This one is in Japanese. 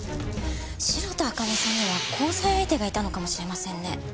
白田朱音さんには交際相手がいたのかもしれませんね。